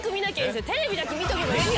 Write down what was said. テレビだけ見とけば。